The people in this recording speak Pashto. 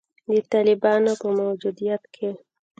د طالبانو په موجودیت کې